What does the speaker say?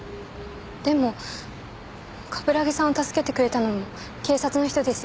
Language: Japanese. でも冠城さんを助けてくれたのも警察の人ですよね？